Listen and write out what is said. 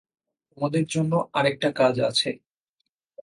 তোমাদের জন্য আরেকটা কাজ আছে।